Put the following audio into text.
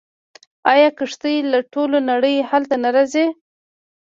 آیا کښتۍ له ټولې نړۍ هلته نه راځي؟